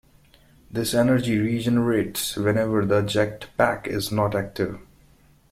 This energy regenerates whenever the jetpack is not active.